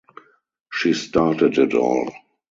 She started it all.